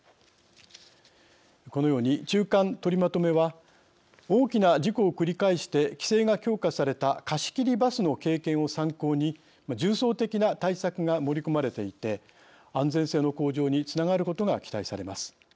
このように中間とりまとめは大きな事故を繰り返して規制が強化された貸し切りバスの経験を参考に重層的な対策が盛り込まれていて安全性の向上につながることが期待されます。